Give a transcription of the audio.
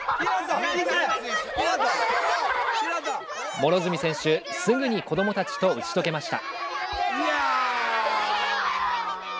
両角選手、すぐに子どもたちと打ち解けました。